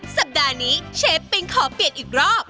สัปดาห์นี้เชฟปิงขอเปลี่ยนอีกรอบ